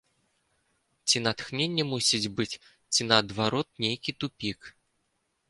Ці натхненне мусіць быць, ці наадварот нейкі тупік.